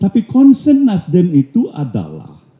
tapi concern nasdem itu adalah